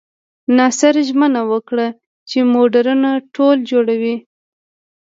ناصر ژمنه وکړه چې موډرنه ټولنه جوړوي.